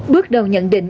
bước đầu nhận định